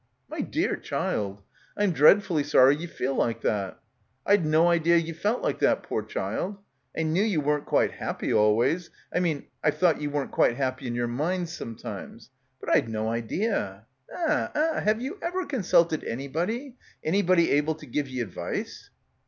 "My dear child ! I'm dreadfully sorry ye feel like that. I'd no idea ye felt like that, poor child. I knew ye weren't quite happy always; I mean I've thought ye weren't quite happy in yer mind sometimes, but I'd no idea — eh, eh, have ye ever consulted anybody — anybody able to give ye ad vice?"